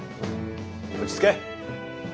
落ち着け！